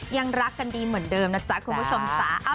ยังรักกันดีเหมือนเดิมนะจ๊ะคุณผู้ชมจ๊ะ